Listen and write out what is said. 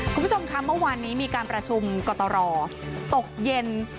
คุณผู้ชมค่ะเมื่อวานนี้มีการประชุมกตรตกเย็น